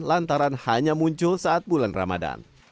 lantaran hanya muncul saat bulan ramadan